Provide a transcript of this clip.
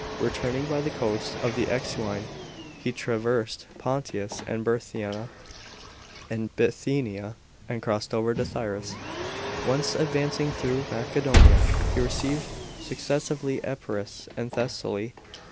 Returning by the coast of the Euxine, he traversed Pontus and Bithynia, and ciossed over into Thrace, whence, advancing through Macedonia, he reached successively Epirus and Thessaly.